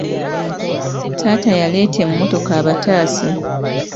Taata yaleeta emmotoka abataase.